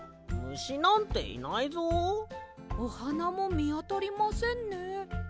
おはなもみあたりませんね。